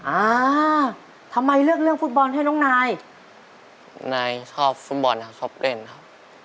อ่าทำไมเลือกเรื่องฟุตบอลให้น้องนายนายชอบฟุตบอลครับชอบเล่นครับ